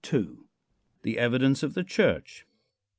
THE EVIDENCE OF THE CHURCH.